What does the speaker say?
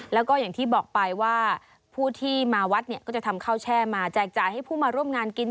แล้วก็อย่างที่บอกไปว่าผู้ที่มาวัดเนี่ยก็จะทำข้าวแช่มาแจกจ่ายให้ผู้มาร่วมงานกิน